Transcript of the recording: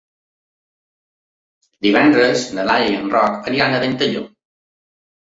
Divendres na Laia i en Roc aniran a Ventalló.